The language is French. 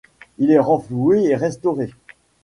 Il est renfloué et restauré.